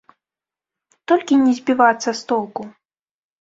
Толькі не збівацца з толку.